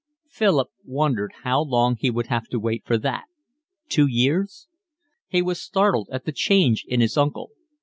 Philip wondered how long he would have to wait for that. Two years? He was startled at the change in his uncle.